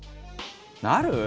「なる？